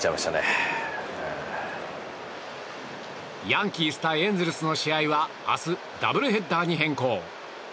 ヤンキース対エンゼルスの試合は明日、ダブルヘッダーに変更。